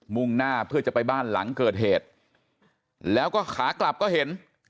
่งหน้าเพื่อจะไปบ้านหลังเกิดเหตุแล้วก็ขากลับก็เห็น